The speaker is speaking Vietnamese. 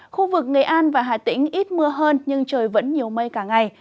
khu vực nghệ an và hà tĩnh ít mưa hơn nhưng trời vẫn nhiều mây cả ngày